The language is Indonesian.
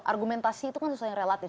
argumentasi itu kan susah yang relatif